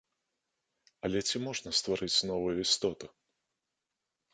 Але ці можна стварыць новую істоту?